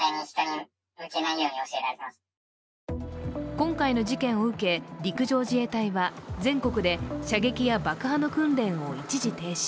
今回の事件を受け、陸上自衛隊は全国で射撃や爆破の訓練を一時停止。